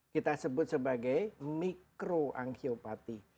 kita sebut sebagai mikroangiopati